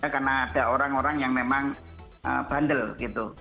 karena ada orang orang yang memang bandel gitu